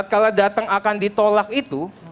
kalau datang akan ditolak itu